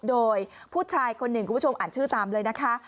โดยผู้ชายคนหนึ่งคุณผู้ชมอ่านชื่อตามเลยนะคะ